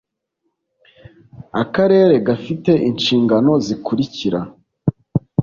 akarere gafite inshingano zikurikira